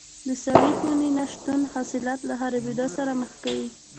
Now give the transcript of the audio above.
د سړې خونې نه شتون حاصلات له خرابېدو سره مخ کوي.